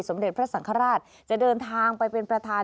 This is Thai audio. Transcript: เด็จพระสังฆราชจะเดินทางไปเป็นประธาน